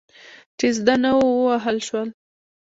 چې زده نه وو، ووهل شول.